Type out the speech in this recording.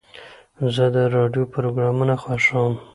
زه د راډیو پروګرامونه خوښوم.